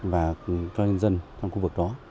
và cho nhân dân trong khu vực đó